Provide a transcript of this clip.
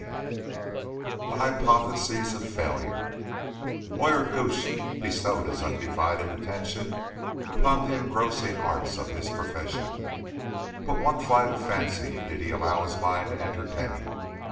'" III THE HYPOTHESES OF FAILURE Lawyer Gooch bestowed his undivided attention upon the engrossing arts of his profession. But one flight of fancy did he allow his mind to entertain.